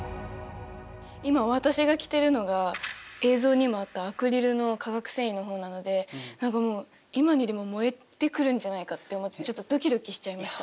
今私が着てるのが映像にもあったアクリルの化学繊維の方なので何かもう今にでも燃えてくるんじゃないかって思ってちょっとドキドキしちゃいました。